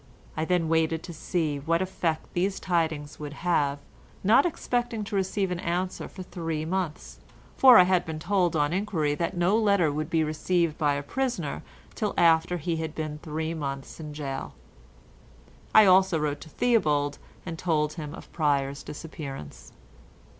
I then waited to see what effect these tidings would have, not expecting to receive an answer for three months, for I had been told on enquiry that no letter could be received by a prisoner till after he had been three months in gaol. I also wrote to Theobald and told him of Pryer's disappearance.